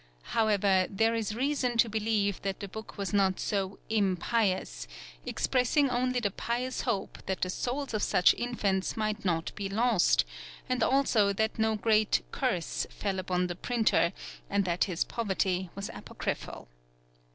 However, there is reason to believe that the book was not so "impious," expressing only the pious hope that the souls of such infants might not be lost, and also that no great "curse" fell upon the printer, and that his poverty was apocryphal.